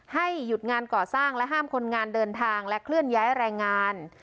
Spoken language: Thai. หยุดงานก่อสร้างและห้ามคนงานเดินทางและเคลื่อนย้ายแรงงาน